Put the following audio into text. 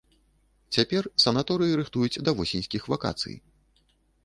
Цяпер санаторыі рыхтуюць да восеньскіх вакацый.